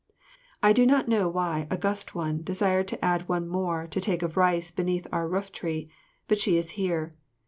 I do not know why August One desired to add one more to take of rice beneath our rooftree; but she is here.